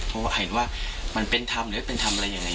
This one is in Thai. เพราะว่าเห็นว่ามันเป็นธรรมหรือไม่เป็นทำอะไรยังไง